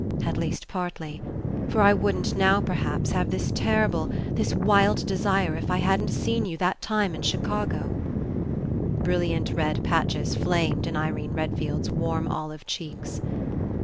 At least partly. For I wouldn't now, perhaps, have this terrible, this wild de sire if I hadn't seen you that time in Chi cago. ..." 8 ENCOUNTER Brilliant red patches flamed in Irene Redfield's warm olive cheeks.